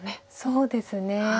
そうですね。